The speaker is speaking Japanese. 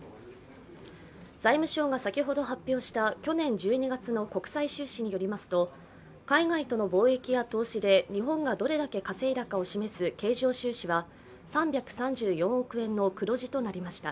財務省が先ほど発表した去年１２月の国際収支によりますと海外との貿易や投資で日本がどれだけ稼いだか示す経常収支は３３４億円の黒字となりました。